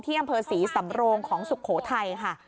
อำเภอศรีสำโรงของสุโขทัยค่ะ